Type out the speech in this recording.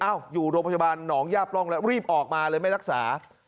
อยู่โรงพยาบาลหนองย่าปล้องแล้วรีบออกมาเลยไม่รักษา